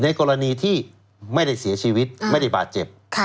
กรณีที่ไม่ได้เสียชีวิตไม่ได้บาดเจ็บ